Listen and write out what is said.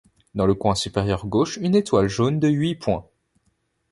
Dans le coin supérieur gauche une étoile jaune de huit points.